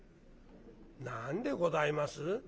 「何でございます？